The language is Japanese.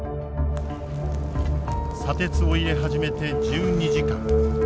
砂鉄を入れ始めて１２時間。